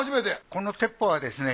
この鉄砲はですね